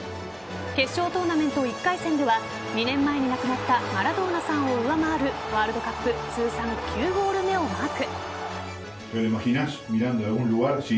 決勝トーナメント１回戦では２年前に亡くなったマラドーナさんを上回るワールドカップ通算９ゴール目をマーク。